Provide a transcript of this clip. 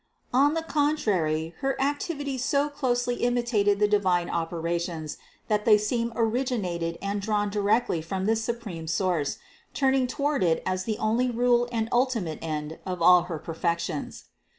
On the contrary her activity so closely imitated the divine operations that they seemed originated and drawn directly from this supreme Source, turning toward it as the only rule and ultimate end of all her perfections.